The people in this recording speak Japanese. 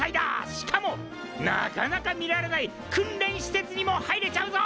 しかもなかなか見られない訓練施設にも入れちゃうぞ！